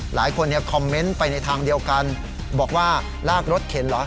หลายคนคอมเมนต์ไปในทางเดียวกันบอกว่าลากรถเข็นเหรอ